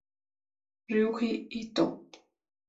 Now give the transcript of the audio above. Ryuji Ito